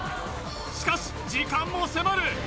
しかし時間も迫る